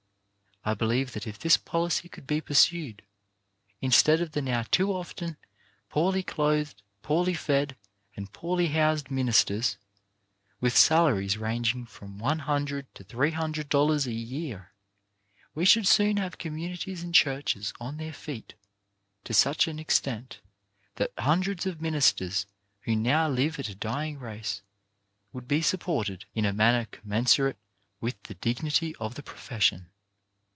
I believe that if this policy could be pursued, in stead of the now too often poorly clothed, poorly fed, and poorly housed ministers, with salaries ranging from one hundred to three hundred dollars a year, we should soon have communities and churches on their feet, to such an extent that hundreds of ministers who now live at a dying rate would be supported in a manner commensurate with the dignity of the profession.